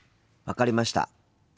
分かりました。